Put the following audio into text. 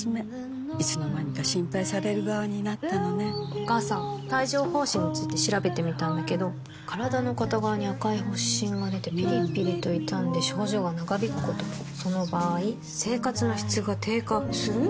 お母さん帯状疱疹について調べてみたんだけど身体の片側に赤い発疹がでてピリピリと痛んで症状が長引くこともその場合生活の質が低下する？